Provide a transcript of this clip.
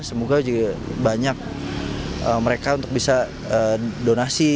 semoga juga banyak mereka untuk bisa donasi